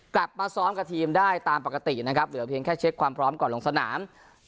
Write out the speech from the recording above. กลับมาทีมได้ตามปกติเหลือเพียงแค่เช็คความพร้อมก่อนลงสนาม